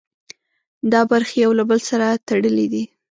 دا برخې یو له بل سره تړلي دي.